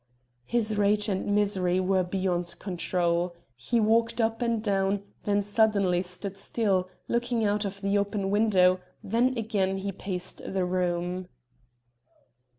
His rage and misery were beyond control; he walked up and down, then suddenly stood still, looking out of the open window; then again he paced the room.